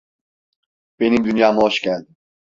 Benim dünyama hoş geldin.